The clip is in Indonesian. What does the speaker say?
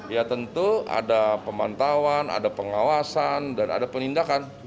ya tentu ada pemantauan ada pengawasan dan ada penindakan